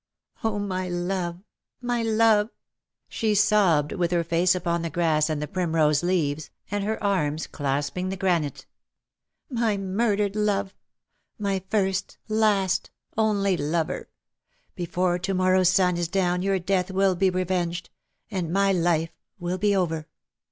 '^ Oh, my love ! my love V she sobbed, with her face upon the grass and the primrose leaves, and her arms clasping the granite ;" my murdered love — my first, last, only lover — before to morrow^s sun is down your death will be revenged, and my life will be over